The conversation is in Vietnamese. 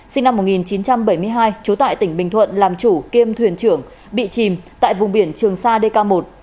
sinh năm một nghìn chín trăm bảy mươi hai trú tại tỉnh bình thuận làm chủ kiêm thuyền trưởng bị chìm tại vùng biển trường sa dk một